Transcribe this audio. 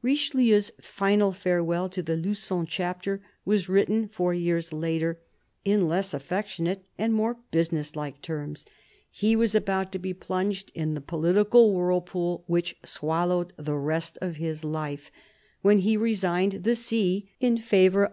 Richelieu's final farewell to the Lugon Chapter was written four years later, in less affectionate and more businesslike terms. He was about to be plunged in the THE BISHOP OF LUgON in political whirlpool which swallowed the rest of his life, when he resigned the see in favour of M.